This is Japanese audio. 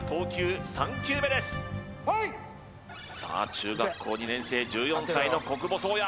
中学校２年生１４歳の小久保颯弥